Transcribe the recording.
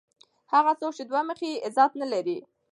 هغه څوک چي دوه مخی يي؛ عزت نه لري.